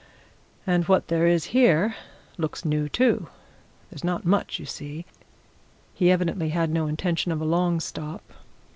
And what there is here looks new, too. There's not much, you see he evidently had no intention of a long stop.